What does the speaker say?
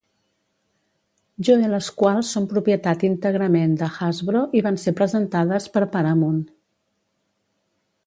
Joe les quals són propietat íntegrament de Hasbro y van ser presentades per Paramount.